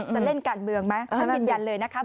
จะเล่นการเมืองไหมท่านยืนยันเลยนะคะ